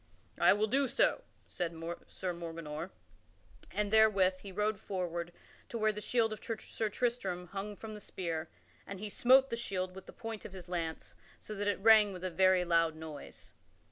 "I will do so," said Sir Morganor; and therewith he rode forward to where the shield of Sir Tristram hung from the spear, and he smote the shield with the point of his lance, so that it rang with a very loud noise.